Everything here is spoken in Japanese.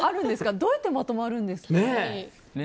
どうやってまとまるんですか？